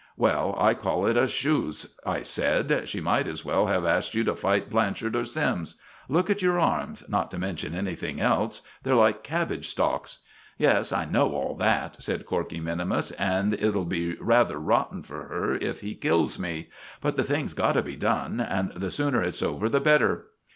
"Well, I call it a chouse," I said. "She might as well have asked you to fight Blanchard or Sims. Look at your arms, not to mention anything else; they're like cabbage stalks." "Yes, I know all that," said Corkey minimus, "and it'll be rather rotten for her if he kills me. But the thing's got to be done, and the sooner it's over the better."